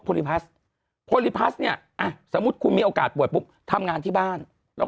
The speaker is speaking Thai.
ลิพัสโพลิพัสเนี่ยอ่ะสมมุติคุณมีโอกาสป่วยปุ๊บทำงานที่บ้านแล้ว